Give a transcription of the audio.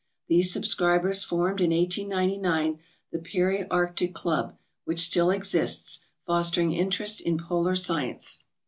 These subscribers formed in 1899 the Peary Arctic Club, which still exists, fostering interest in polar science.